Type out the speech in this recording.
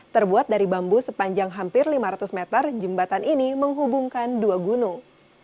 terbuat dari bambu sepanjang hampir lima ratus meter jembatan ini menghubungkan dua gunung